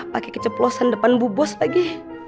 pake keceplosan depan bebas lagi